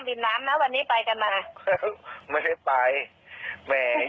เราไปเก็บไว้ที่ไหนรู้ป่ะมันเราซื้อเยอะกื่ออะไรแบบนี้